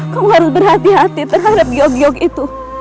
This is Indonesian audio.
kamu harus berhati hati terhadap yogiok itu